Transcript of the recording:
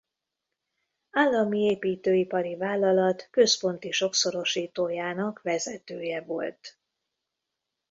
Állami Építőipari Vállalat központi sokszorosítójának vezetője volt.